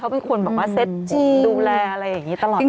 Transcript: เป็นคนบอกว่าเซ็ตดูแลอะไรอย่างนี้ตลอดไป